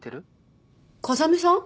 風見さん？